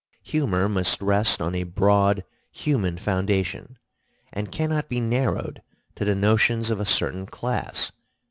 Humor, must rest on a broad human foundation, and cannot be narrowed to the notions of a certain class.